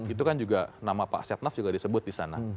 itu kan juga nama pak setnaf juga disebut di sana